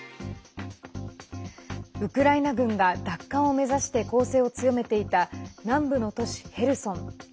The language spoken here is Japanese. ウクライナ軍が奪還を目指して攻勢を強めていた南部の都市ヘルソン。